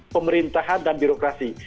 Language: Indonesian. pemerintahan dan birokrasi